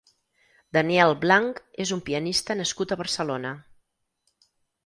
Daniel Blanch és un pianista nascut a Barcelona.